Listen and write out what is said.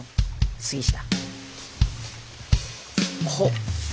杉下。